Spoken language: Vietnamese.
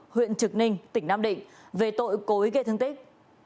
huyện trực ninh tỉnh nam định về tội cố ý gây thương tích